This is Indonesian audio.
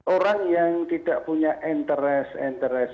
orang yang tidak punya interest interest